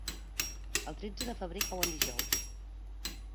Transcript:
El tretze de febrer cau en dijous.